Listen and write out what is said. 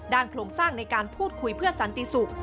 โครงสร้างในการพูดคุยเพื่อสันติสุข